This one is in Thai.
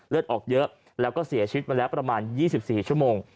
เลือดออกเยอะแล้วก็เสียชีวิตมาแล้วประมาณ๒๔ชั่วโมง